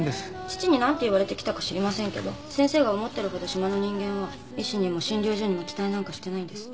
父に何て言われて来たか知りませんけど先生が思ってるほど島の人間は医師にも診療所にも期待なんかしてないんです。